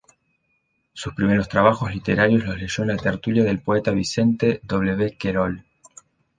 Sus primeros trabajos literarios los leyó en la tertulia del poeta Vicente W. Querol.